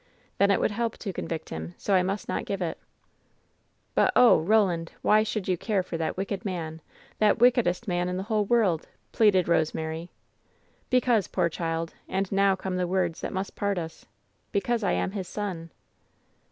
"Then it would help to convict him, so I must not give it. "But, oh! Roland, • why should you care for that wicked man — ^that wickedest man in the whole world ?" pleaded Rosemary. WHEN SHADOWS DIE 188 "Because, poor child — and now come the words that must part us — because I am his son